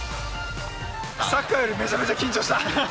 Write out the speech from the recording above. サッカーよりめちゃめちゃ緊張した。